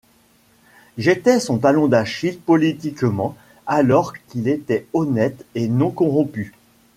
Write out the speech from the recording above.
J'étais son talon d'Achille politiquement alors qu'il était honnête et non corrompu.